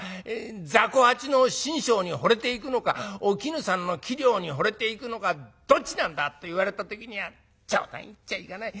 ざこ八の身上に惚れて行くのかお絹さんの器量に惚れて行くのかどっちなんだ！』と言われた時には『冗談言っちゃいけない。